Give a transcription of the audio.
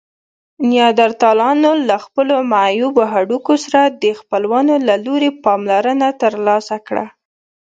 نیاندرتالانو له خپلو معیوبو هډوکو سره د خپلوانو له لوري پاملرنه ترلاسه کړه.